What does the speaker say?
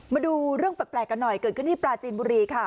มาดูเรื่องแปลกกันหน่อยเกิดขึ้นที่ปลาจีนบุรีค่ะ